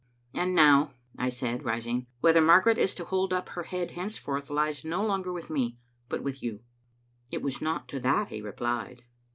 "And now," I said, rising, "whether Margaret is to hold up her head henceforth lies no longer with me, but with you." It was not to that he replied.